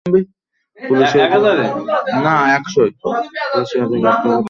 পুলিশের হাতে গ্রেপ্তার হবার পর চ্যাপম্যান দোষ স্বীকার করেন।